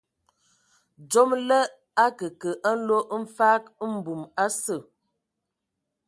Dzom lə akǝkǝ nlo mfag mbum a sə.